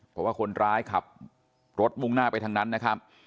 เพราะว่าคนร้ายขับรถมุ่งหน้าไปทางนั้นนะครับ